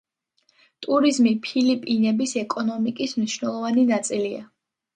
ტურიზმი ფილიპინების ეკონომიკის მნიშვნელოვანი ნაწილია.